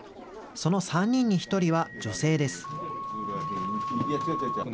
その３人に１人は女性です。